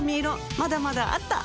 まだまだあった！